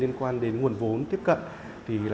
liên quan đến nguồn vốn tiếp cận